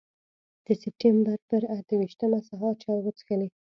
د سپټمبر پر اته ویشتمه سهار چای وڅښلې.